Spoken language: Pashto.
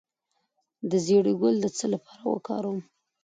د زیرې ګل د څه لپاره وکاروم؟